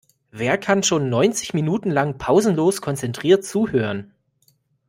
Wer kann schon neunzig Minuten lang pausenlos konzentriert zuhören?